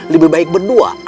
lebih baik berdua